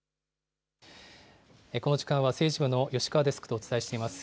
この時間は政治部の吉川デスクとお伝えしています。